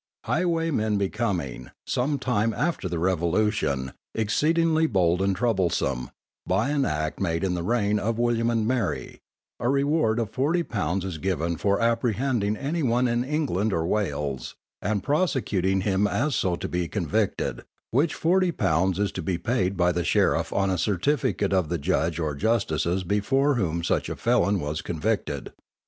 _ _Highwaymen becoming, some time after the Revolution, exceedingly bold and troublesome, by an Act made in the reign of William and Mary, a reward of forty pounds is given for apprehending any one in England or Wales, and prosecuting him so as he be convicted; which forty pounds is to be paid by the sheriff on a certificate of the judge or justices before whom such a felon was convicted.